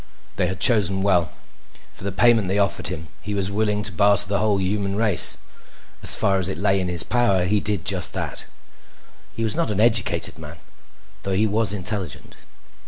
They had chosen well. For the payment they offered him he was willing to barter the whole human race. As far as it lay in his power he did just that. He was not an educated man, though he was intelligent.